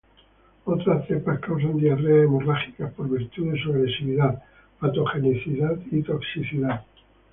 Otras cepas causan diarreas hemorrágicas por virtud de su agresividad, patogenicidad y toxicidad.